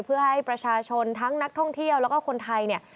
เพื่อให้ประชาชนทั้งนักท่องเที่ยวแล้วก็คนไทยเนี่ย